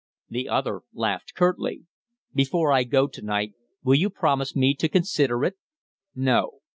The other laughed curtly. "Before I go to night will you promise me to consider it?" "No."